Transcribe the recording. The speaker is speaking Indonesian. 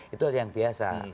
itu hal yang biasa